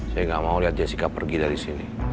saya gak mau liat jessica pergi dari sini